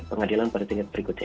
pengadilan pada tingkat berikutnya